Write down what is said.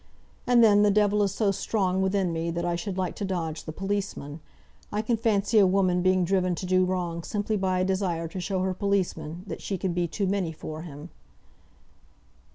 And then, the devil is so strong within me, that I should like to dodge the policeman. I can fancy a woman being driven to do wrong simply by a desire to show her policeman that she can be too many for him."